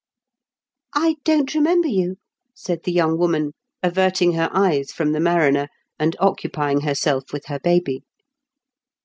'' "I don't remember you," said the young woman, averting her eyes from the mariner, and occupying herself with her baby.